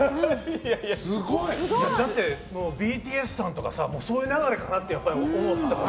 だって、ＢＴＳさんとかさそういう流れかなって思ったから。